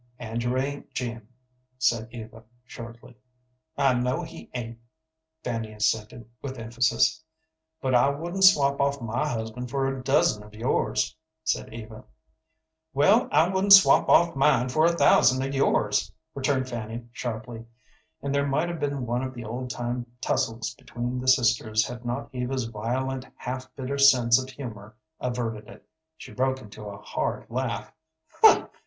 "Andrew ain't Jim," said Eva, shortly. "I know he ain't," Fanny assented, with emphasis. "But I wouldn't swap off my husband for a dozen of yours," said Eva. "Well, I wouldn't swap off mine for a thousand of yours," returned Fanny, sharply; and there might have been one of the old time tussles between the sisters had not Eva's violent, half bitter sense of humor averted it. She broke into a hard laugh.